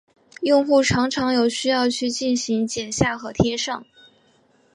用户常常有需要去进行剪下和贴上。